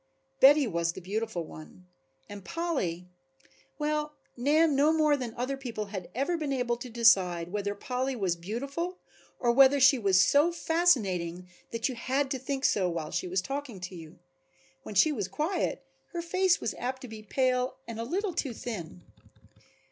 Betty was the beautiful one, and Polly, well Nan no more than other people had ever been able to decide whether Polly was beautiful or whether she was so fascinating that you had to think so while she was talking to you. When she was quiet her face was apt to be pale and a little too thin.